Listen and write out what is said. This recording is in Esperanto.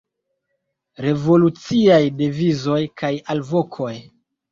Revoluciaj devizoj kaj alvokoj.